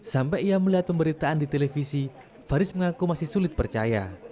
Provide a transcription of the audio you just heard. sampai ia melihat pemberitaan di televisi faris mengaku masih sulit percaya